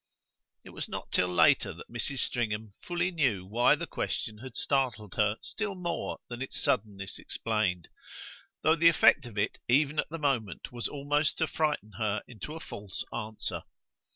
It was not till later that Mrs. Stringham fully knew why the question had startled her still more than its suddenness explained; though the effect of it even at the moment was almost to frighten her into a false answer.